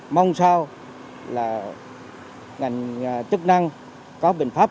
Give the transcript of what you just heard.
mong sao là ngành chức năng có bình pháp